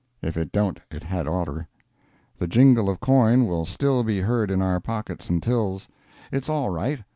If it don't it had orter. The jingle of coin will still be heard in our pockets and tills. It's all right.